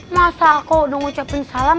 masa kok udah ngucapin salam